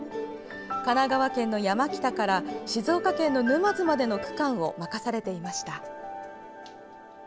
神奈川県の山北から静岡県の沼津までの区間を任されていました。